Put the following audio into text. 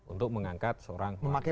untuk mengangkat seorang pemerintahan